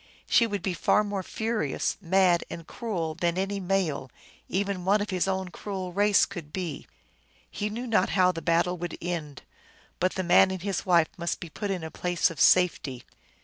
She would be far more furious, mad, and cruel than any male, even one of his own cruel race, could be. He knew not how the battle would end ; but the man and his wife must be put in a place of safety.